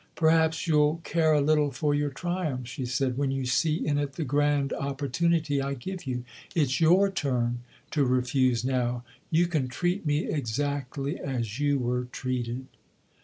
Perhaps you'll care a little for your triumph/' she said, " when you see in it the grand opportunity I give you. It's your turn to refuse now you can treat me exactly as you were treated